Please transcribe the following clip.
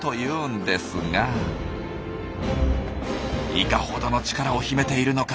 いかほどの力を秘めているのか。